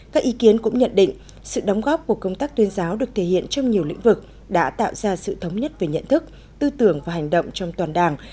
các ý kiến cũng nhận định sự đóng góp của công tác tuyên giáo được thể hiện trong nhiều lĩnh vực đã tạo ra sự thống nhất về nhận thức tư tưởng và hành động trong toàn đảng